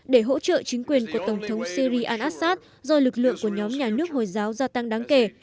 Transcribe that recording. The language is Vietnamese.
để hỗ trợ chính quyền của tổng thống syri al assad do lực lượng của nhóm nhà nước hồi giáo gia tăng đáng kể